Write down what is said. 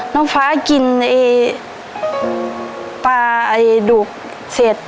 น้องฟ้ากินปลาดุกเสร็จ